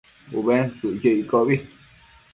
Ubentsëcquio iccobi